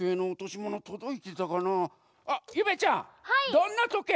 どんなとけい？